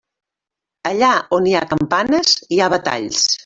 Allà on hi ha campanes hi ha batalls.